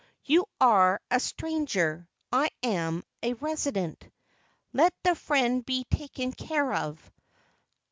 You are a stranger, I am a resident. Let the friend be taken care of.